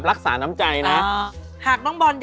เราอาจจะหาเหตุผลว่า